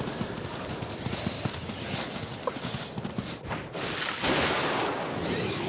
あっ。